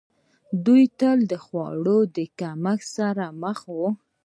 دوی تل د خوړو د کمښت سره مخ وو.